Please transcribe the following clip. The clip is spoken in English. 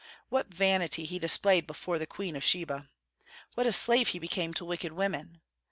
What vanity he displayed before the Queen of Sheba! What a slave he became to wicked women!